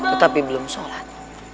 tetapi belum sholat